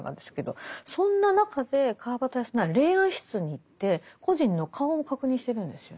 そんな中で川端康成霊安室に行って故人の顔も確認してるんですよね。